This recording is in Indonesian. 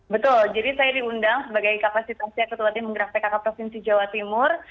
betul jadi saya diundang sebagai kapasitasnya ketua tim menggerak pkk provinsi jawa timur